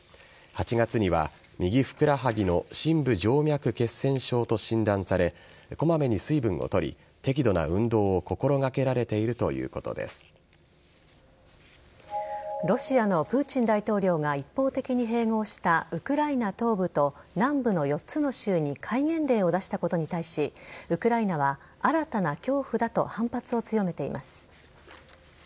８月には右ふくらはぎの深部静脈血栓症と診断されこまめに水分を取り適度な運動を心掛けられているロシアのプーチン大統領が一方的に併合したウクライナ東部と南部の４つの州に戒厳令を出したことに対しウクライナは新たな恐怖だと反発を強めています。